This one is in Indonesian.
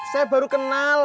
saya baru kenal